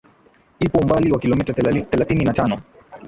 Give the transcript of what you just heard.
ipo umbali wa kilometa thelathini na tano